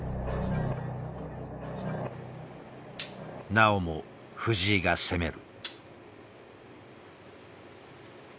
なおも藤井が攻める。